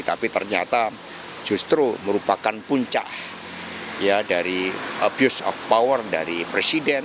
tapi ternyata justru merupakan puncak ya dari abuse of power dari presiden